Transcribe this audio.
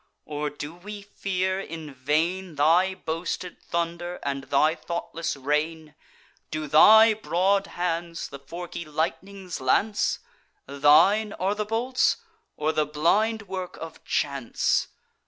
or do we fear in vain Thy boasted thunder, and thy thoughtless reign? Do thy broad hands the forky lightnings lance? Thine are the bolts, or the blind work of chance?